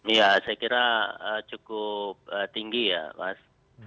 ya saya kira cukup tinggi ya mas